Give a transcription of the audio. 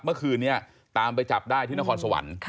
เมื่อคืนนี้ตามไปจับได้ที่นครสวรรค์